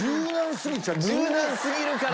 柔軟すぎるから。